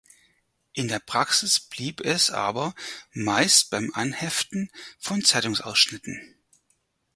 In der Praxis blieb es aber meist beim Anheften von Zeitungsausschnitten.